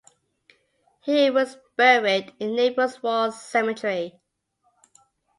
He was buried in Naples War Cemetery.